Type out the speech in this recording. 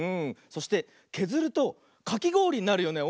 そしてけずるとかきごおりになるよね。